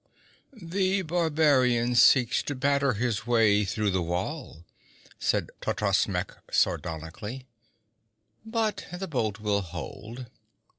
'The barbarian seeks to batter his way through the wall,' said Totrasmek sardonically, 'but the bolt will hold.'